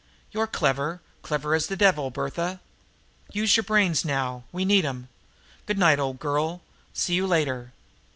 "You're clever, clever as the devil, Bertha. Use your brains now we need 'em. Good night, old girl. See you later."